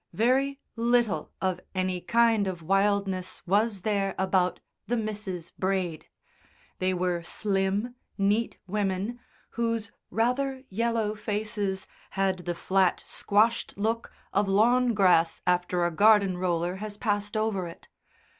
Very little of any kind of wildness was there about the Misses Braid. They were slim, neat women, whose rather yellow faces had the flat, squashed look of lawn grass after a garden roller has passed over it.